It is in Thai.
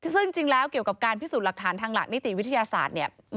ซึ่งจริงแล้วเกี่ยวกับการพิสูจน์หลักฐานทางหลักนิติวิทยาศาสตร์เนี่ย